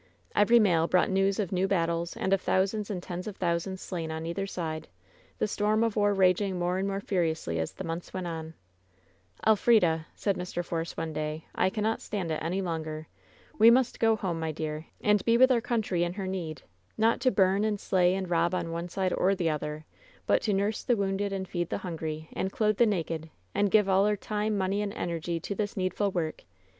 Every mail brought news of new battles and of thou* sands and tens of thousands slain on either side; th« storm of war raging more and more furiously as th^ months went on. "Elfrida 1" said Mr. Force one day, "I cannot stand U 34 WHEN SHADOWS DIE any longer! We must go home, my dear, and be with our country in her need! Not to bum and slay and rob on one side or the other, but to nurse the wounded and feed the hungry, and clothe the naked — and give all our time, money and energy to this needful work.